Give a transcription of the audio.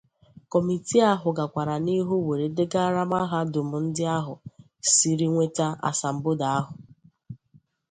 Kọmitii ahụ gakwara n'ihu were degaara mahadum ndị ahụ siri nweta asambodo ahụ